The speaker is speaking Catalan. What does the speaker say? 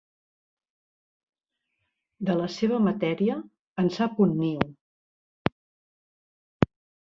De la seva matèria, en sap un niu.